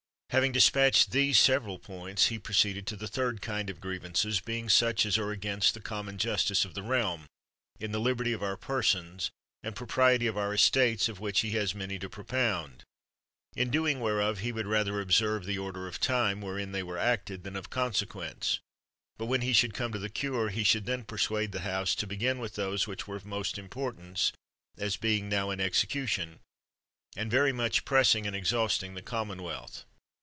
Having despatched these several points, he proceeded to the third kind of grievances, being such as are against the common justice of the realm, in the liberty of our persons, and pro priety of our estates, of which he had many to propound; in doing whereof, he would rather observe the order of time, wherein they were 5(5 PYM acted, than of consequence ; but when he should come to the cure, he should then persuade the House to begin with those which were of most importance, as being now in execution, and very much pressing and exhausting the common wealth.